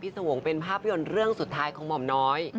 สวงศ์เป็นภาพยนตร์เรื่องสุดท้ายของหม่อมน้อย